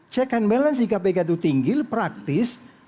check and balance di kpk itu tinggi praktis